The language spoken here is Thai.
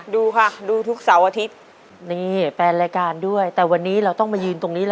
ดูค่ะดูทุกเสาร์อาทิตย์